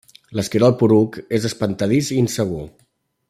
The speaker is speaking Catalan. L'Esquirol Poruc és espantadís i insegur.